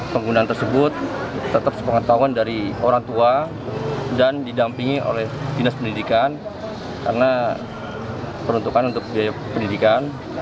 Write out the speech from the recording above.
penggunaan tersebut tetap sepengetahuan dari orang tua dan didampingi oleh dinas pendidikan karena peruntukan untuk biaya pendidikan